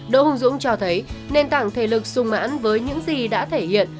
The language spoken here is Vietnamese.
đỗ hùng dũng cho thấy nền tảng thể lực sung mãn với những gì đã thể hiện